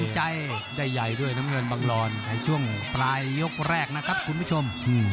ใจได้ใหญ่ด้วยน้ำเงินบังรอนในช่วงปลายยกแรกนะครับคุณผู้ชม